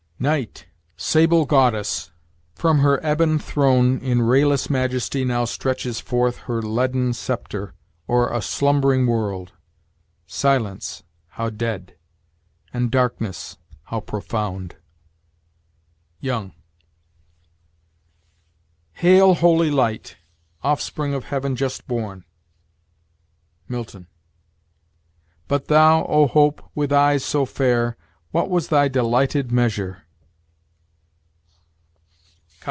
"Night, sable goddess! from her ebon throne, In rayless majesty now stretches forth Her leaden scepter o'er a slumbering world. Silence, how dead! and darkness, how profound!" Young. "Hail, holy light! offspring of heaven just born!" Milton. "But thou, O Hope! with eyes so fair, What was thy delighted measure?"